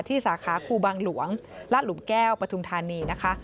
สาขาครูบางหลวงลาดหลุมแก้วปฐุมธานีนะคะ